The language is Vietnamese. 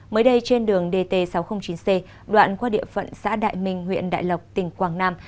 mới đây trên đường dt sáu trăm linh chín c đoạn qua địa phận xã đại minh huyện đại lộc tỉnh quảng nam